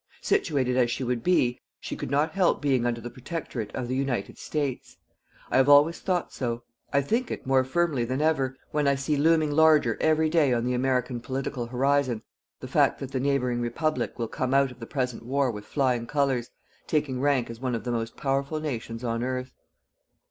Situated as she would be, she could not help being under the protectorate of the United States. I have always thought so. I think it more firmly than ever, when I see looming larger every day on the American political horizon the fact that the neighbouring Republic will come out of the present war with flying Colours, taking rank as one of the most powerful nations on earth.